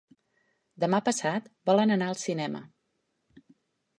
Demà passat volen anar al cinema.